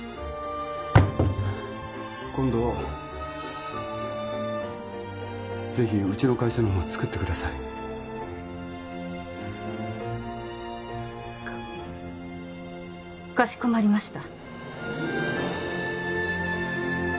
今度ぜひうちの会社のも作ってくださいかかしこまりました